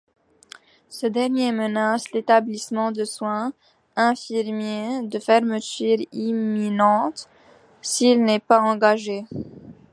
Ce dernier menace l'établissement de soins infirmiers de fermeture imminente s'il n'est pas engagé.